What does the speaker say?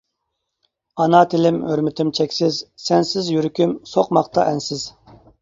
ئانا تىلىم-ھۆرمىتىم چەكسىز، سەنسىز يۈرىكىم سوقماقتا ئەنسىز.